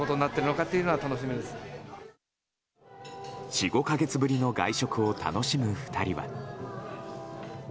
４５か月ぶりの外食を楽しむ２人は。